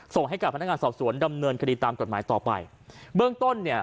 ส่งให้กับพนักงานสอบสวนดำเนินคดีตามกฎหมายต่อไปเบื้องต้นเนี่ย